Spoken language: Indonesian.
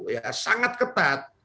ya sangat ketat